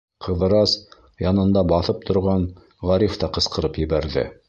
Ҡыҙырас янында баҫып торған Ғариф та ҡысҡырып ебәрҙе: